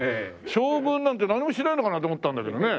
将軍なんて何もしないのかなと思ったんだけどね。